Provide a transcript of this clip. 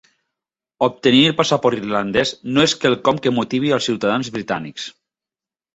Obtenir el passaport irlandès no és quelcom que motivi als ciutadans britànics